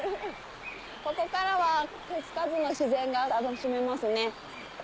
ここからは手付かずの自然が楽しめますね。